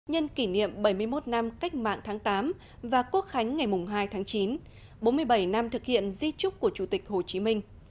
nhân kỷ niệm bảy mươi một năm cách mạng tháng tám và quốc khánh ngày hai tháng chín bốn mươi bảy năm thực hiện di trúc của chủ tịch hồ chí minh